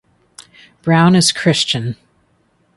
Brown is Christian.